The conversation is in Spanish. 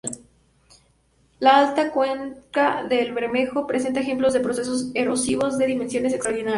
La alta cuenca del Bermejo presenta ejemplos de procesos erosivos de dimensiones extraordinarias.